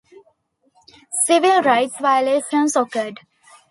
Civil rights violations occurred.